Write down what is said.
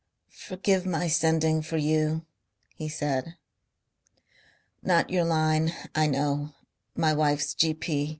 "Forgive my sending for you," he said. "Not your line. I know.... My wife's G.P.